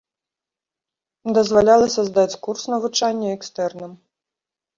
Дазвалялася здаць курс навучання экстэрнам.